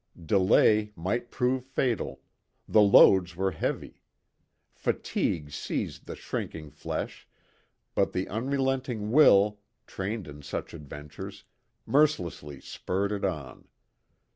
Delay might prove fatal; the loads were heavy. Fatigue seized the shrinking flesh, but the unrelenting will, trained in such adventures, mercilessly spurred it on.